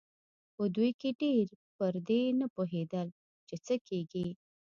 په دوی کې ډېر پر دې نه پوهېدل چې څه کېږي.